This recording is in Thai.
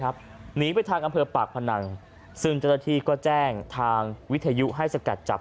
หนีไปทางอำเภอปากพนังซึ่งเจ้าหน้าที่ก็แจ้งทางวิทยุให้สกัดจับ